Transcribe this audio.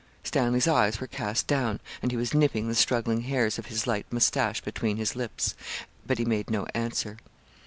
Stanley's eyes were cast down and he was nipping the struggling hairs of his light moustache between his lips but he made no answer.